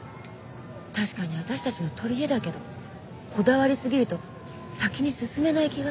確かに私たちの取り柄だけどこだわりすぎると先に進めない気がするの。